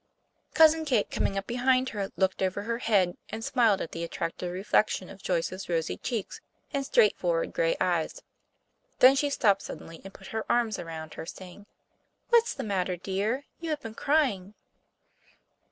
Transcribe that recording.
Cousin Kate, coming up behind her, looked over her head and smiled at the attractive reflection of Joyce's rosy cheeks and straightforward gray eyes. Then she stopped suddenly and put her arms around her, saying, "What's the matter, dear? You have been crying."